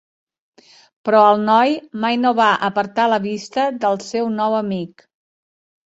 Però el noi mai no va apartar la vista del seu nou amic.